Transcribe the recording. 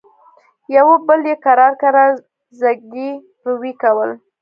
يوه بل يې کرار کرار زګيروي کول.